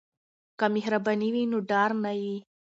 که مهرباني وي نو ډار نه وي.